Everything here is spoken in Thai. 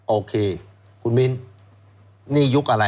โอเคคุณมิ้นนี่ยุคอะไร